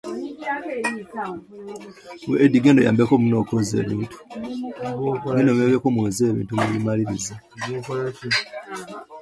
Unsurprisingly, the craft of Yap's voice has the admiration of other writers.